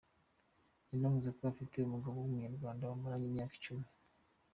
Yanavuze ko afite umugabo w’Umunyarwanda bamaranye imyaka icumi.